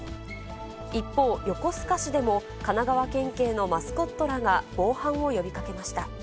一方、横須賀市でも、神奈川県警のマスコットらが、防犯を呼びかけました。